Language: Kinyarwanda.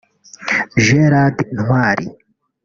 Gérard Ntwari